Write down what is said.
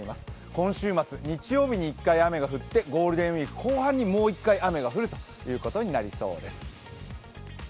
今週末、日曜日に１回雨が降って後半にもう１回雨が降るということになりそうです。